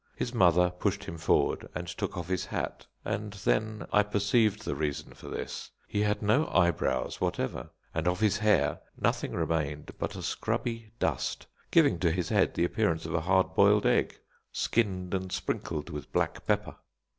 His mother pushed him forward and took off his hat, and then I perceived the reason for this. He had no eyebrows whatever, and of his hair nothing remained but a scrubby dust, giving to his head the appearance of a hard boiled egg, skinned and sprinkled with black pepper.